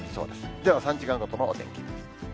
では３時間ごとのお天気。